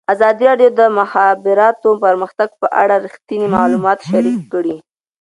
ازادي راډیو د د مخابراتو پرمختګ په اړه رښتیني معلومات شریک کړي.